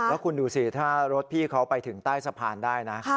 แล้วคุณดูสิถ้ารถพี่เขาไปถึงใต้สะพานได้นะ